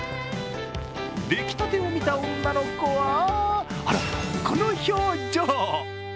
出来たてを見た女の子はあら、この表情。